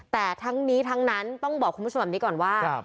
แต่ทั้งนี้ทั้งนั้นต้องบอกคุณผู้ชมแบบนี้ก่อนว่า